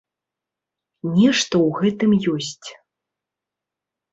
Нешта ў гэтым ёсць.